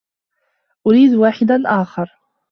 أريد واحدا آخر.